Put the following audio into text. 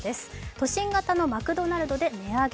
都心型のマクドナルドで値上げ。